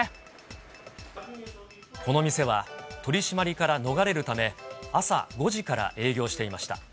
この店は、取り締まりから逃れるため、朝５時から営業していました。